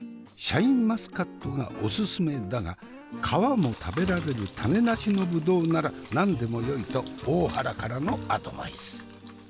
シャインマスカットがオススメだが皮も食べられる種なしのブドウなら何でもよいと大原からのアドバイス。